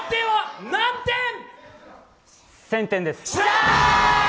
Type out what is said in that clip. １０００点です。